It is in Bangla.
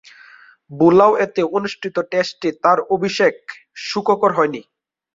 বুলাওয়েতে অনুষ্ঠিত টেস্টে তার ঐ অভিষেক সুখকর হয়নি।